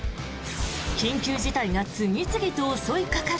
緊急事態が次々と襲いかかる！